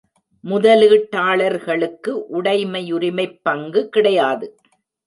முதலீட்டாளர்களுக்கு உடைமையுரிமைப் பங்கு கிடையாது.